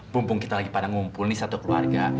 mumpung kita lagi pada ngumpul nih satu keluarga